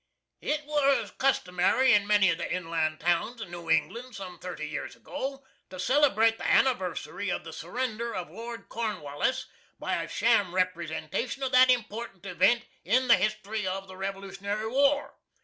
It was customary in many of the inland towns of New England, some thirty years ago, to celebrate the anniversary of the surrender of Lord Cornwallis by a sham representation of that important event in the history of the Revolutionary War.